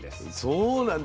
そうなんだ。